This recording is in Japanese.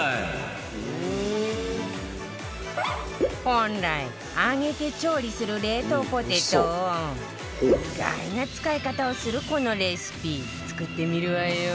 本来揚げて調理する冷凍ポテトを意外な使い方をするこのレシピ作ってみるわよ